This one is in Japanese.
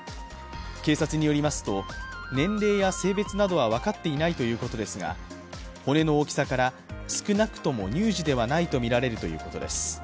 警察によりますと、年齢や性別などは分かっていないということですが、骨の大きさから少なくとも乳児ではないとみられるということです。